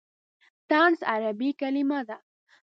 طنز عربي کلمه ده.